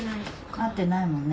会ってないもんね。